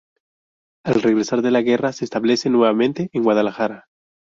Al regresar de la guerra, se establece nuevamente en Guadalajara.